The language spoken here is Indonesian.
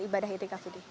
ibadah etikaf ini